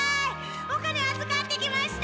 お金あずかってきました！